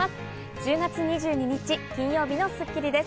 １０月２２日、金曜日の『スッキリ』です。